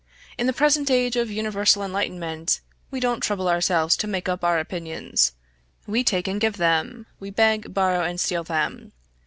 In the present age of universal enlightenment, we don't trouble ourselves to make up our opinions we take and give them, we beg, borrow, and steal them.